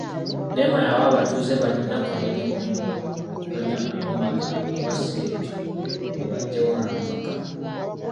NEMA yawa abatuuze bano ennaku abiri mu emu okumenya amayumba gaabwe oba ssi ekyo, ebaggyewo lwampaka.